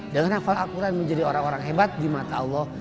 dengan hafal al quran menjadi orang orang hebat di mata allah